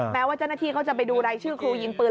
แม้ว่าเจ้าหน้าที่เขาจะไปดูรายชื่อครูยิงปืน